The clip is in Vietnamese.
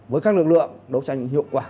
với các lực lượng đấu tranh hiệu quả